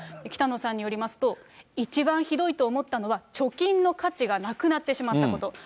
北野さんによりますと、一番ひどいと思ったのは、貯金の価値がなくなってしまったこと。